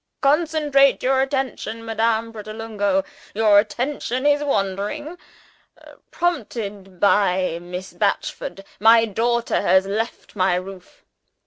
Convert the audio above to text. Concentrate your attention, Madame Pratolungo! Your attention is wandering. Prompted by Miss Batchford, my daughter has left my roof.